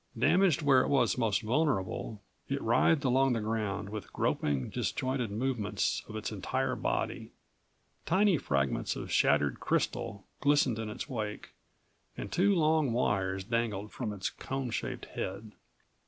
Damaged where it was most vulnerable, it writhed along the ground with groping, disjointed movements of its entire body. Tiny fragments of shattered crystal glistened in its wake, and two long wires dangled from its cone shaped head.